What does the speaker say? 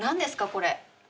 これ。